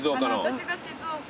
私が静岡の。